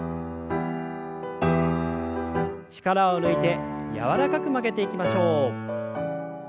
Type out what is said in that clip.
力を抜いて柔らかく曲げていきましょう。